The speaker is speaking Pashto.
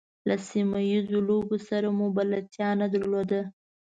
له سیمه ییزو لوبو سره مو بلدتیا نه درلوده.